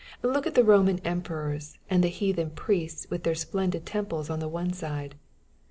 Look at the Roman emperors and the heathen priests with their splendid temples on the one side